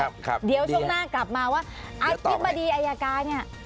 ครับครับเดี๋ยวกลับมาว่าฮะอธิบดีอายากาเนี่ย